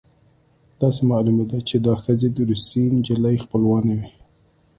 داسې معلومېده چې دا ښځې د روسۍ نجلۍ خپلوانې وې